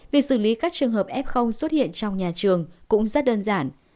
việc xử lý các trường hợp f xuất hiện trong nhà trường cũng rất đơn giản